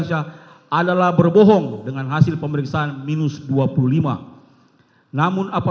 kita harus membuatnya